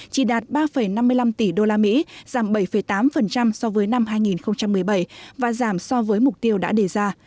chỉ đạt ba năm mươi năm tỷ usd giảm bảy tám so với năm hai nghìn một mươi bảy và giảm so với mục tiêu đã đề ra